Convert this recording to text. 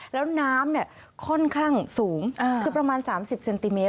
แล้วน้ำค่อนข้างสูงคือประมาณ๓๐เซนติเมตร